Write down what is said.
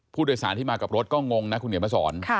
ผู้โดยสารที่มากับรถก็งงนะคุณเขียนมาสอน